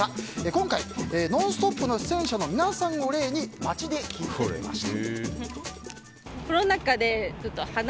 今回、「ノンストップ！」の出演者の皆さんを例に街で聞いてみました。